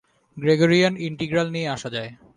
Gregorian integral নিয়ে আসা যায়।